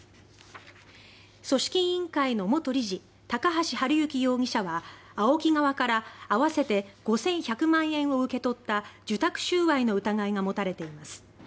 組織委員会の元理事高橋治之容疑者はＡＯＫＩ側から合わせて５１００万円を受け取った受託収賄の疑いが持たれています。